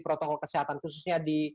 protokol kesehatan khususnya di